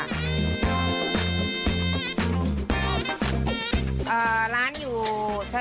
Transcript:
ร้านอยู่ถนนนี้ค่ะ